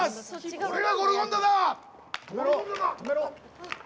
俺がゴルゴンダだ！